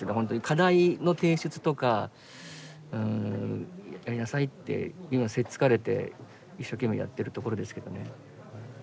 課題の提出とかうんやりなさいって今せっつかれて一生懸命やってるところですけどね。